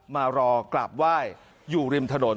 มารอกราบไหว้อยู่ริมถนน